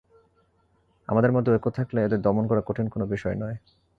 আমাদের মধ্যে ঐক্য থাকলে এদের দমন করা কঠিন কোনো বিষয় নয়।